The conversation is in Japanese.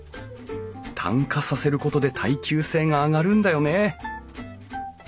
炭化させることで耐久性が上がるんだよね